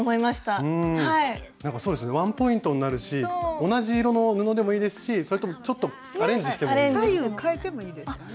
そうですねワンポイントになるし同じ色の布でもいいですしちょっとアレンジしてもいいですね。